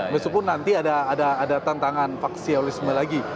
meskipun nanti ada tantangan faksialisme lagi